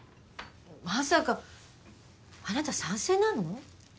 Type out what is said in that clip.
まさかあなた賛成なの？